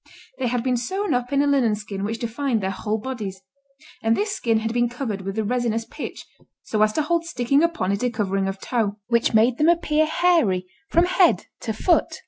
They had been sewn up in a linen skin which defined their whole bodies; and this skin had been covered with a resinous pitch, so as to hold sticking upon it a covering of tow, which made them appear hairy from head to foot.